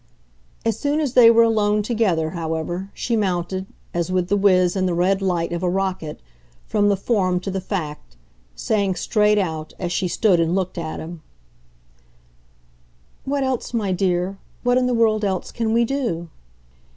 As soon as they were alone together, however, she mounted, as with the whizz and the red light of a rocket, from the form to the fact, saying straight out, as she stood and looked at him: "What else, my dear, what in the world else can we do?"